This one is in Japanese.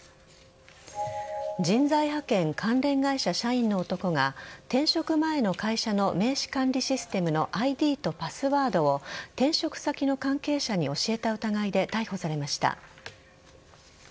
人材派遣関連会社社員の男が転職前の会社の名刺管理システムのＩＤとパスワードを転職先の関係者に教えた疑いで逮捕されました。